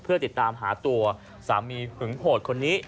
เพื่อติดตามหาตัวสามีหึงโหดคนนี้